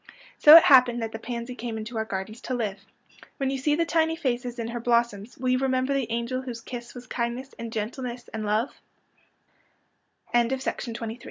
So it happened that the pansy came into our gardens to live. ^'\nien you see the tiny faces in her blossoms will you remember the angel whose kiss was kindness and gentleness and lo